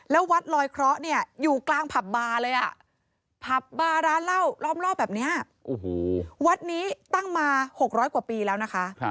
แล้ววัดลอยเคราะห์เนี่ยอยู่กลางผับบาร์เลยอ่ะผับบาร์ร้านเหล้าล้อมรอบแบบนี้วัดนี้ตั้งมา๖๐๐กว่าปีแล้วนะคะ